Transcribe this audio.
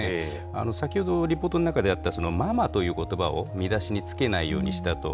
先ほどリポートの中であった、ママということばを見出しにつけないようにしたと。